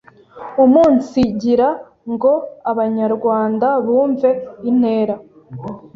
Umunsigira ngo Abanyarwanda bumve intera